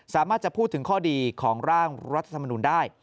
สามารถจะพูดถึงข้อดีของร่างรัฐธรรมนุนได้